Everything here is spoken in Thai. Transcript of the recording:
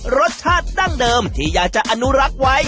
รสชาติดั้งเดิมที่อยากจะอนุรักษ์ไว้